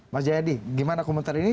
mas jayadi gimana komentar ini